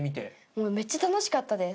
もう、めっちゃ楽しかったです。